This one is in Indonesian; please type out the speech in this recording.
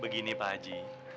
begini pak haji